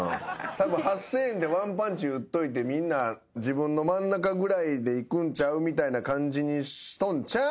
たぶん８，０００円でワンパンチ打っといてみんな自分の真ん中ぐらいでいくんちゃうみたいな感じにしとんちゃう？